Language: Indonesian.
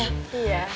makan siang ya